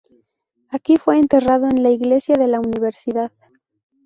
Aquí fue enterrado en la iglesia de la universidad.